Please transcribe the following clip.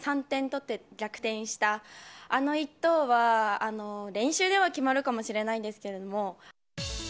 ３点取って逆転した、あの一投は、練習では決まるかもしれないんですけれども。